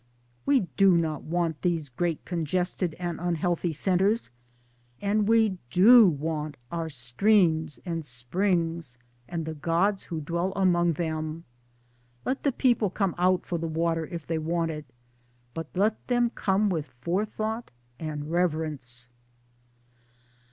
We do not want these great congested and unhealthy centres, and we do want our streams and springs and the gods who dwell among them. Let the people come out for the water if they want it ; but let them come with forethought and reverence.